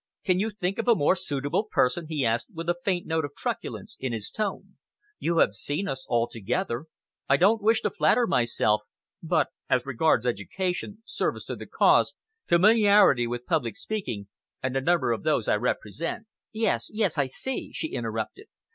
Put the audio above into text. "Can you think of a more suitable person?" he asked, with a faint note of truculence in his tone. "You have seen us all together. I don't wish to flatter myself, but as regards education, service to the cause, familiarity with public speaking and the number of those I represent " "Yes, yes! I see," she interrupted.